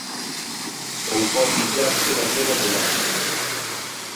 Ou pode illarse da cera de laca.